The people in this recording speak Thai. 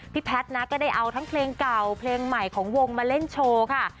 แพทย์นะก็ได้เอาทั้งเพลงเก่าเพลงใหม่ของวงมาเล่นโชว์ค่ะ